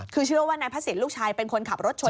คือเชื่อว่านายพระศิษย์ลูกชายเป็นคนขับรถชน